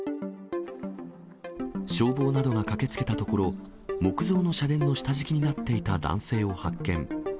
消防などが駆けつけたところ、木造の社殿の下敷きになっていた男性を発見。